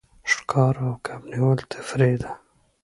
ښکار او کب نیول تفریح ده.